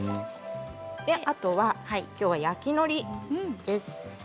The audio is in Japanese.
あとはきょうは焼きのりです。